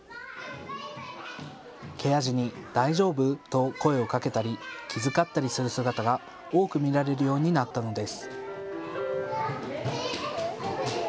ケア児に大丈夫？と声をかけたり、気遣ったりする姿が多く見られるようになったのです。